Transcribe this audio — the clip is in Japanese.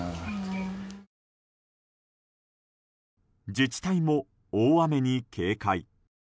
自治体も大雨に警戒。